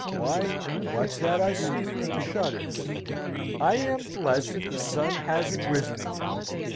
Why, what's that I see through the shutters? I am blest if the sun hasn't risen again!